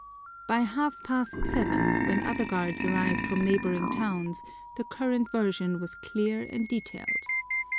By half past seven, when other guards arrived from neighboring towns, the current version was clear and detailed.